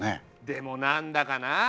でもなんだかな。